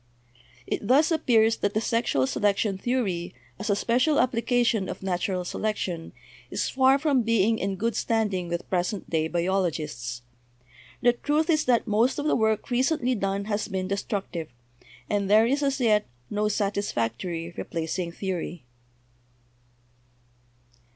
It thus appears that the sexual selection theory, as a special application, of natural selection, is far from being in good standing with present day biologists. The truth is that most of the work recently done has been destruc tive, and there is, as yet, no satisfactory replacing theory.